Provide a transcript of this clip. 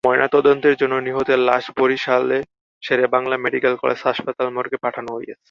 ময়নাতদন্তের জন্য নিহতের লাশ বরিশাল শেরেবাংলা মেডিকেল কলেজ হাসপাতাল মর্গে পাঠানো হয়েছে।